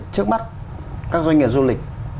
trước mắt các doanh nghiệp du lịch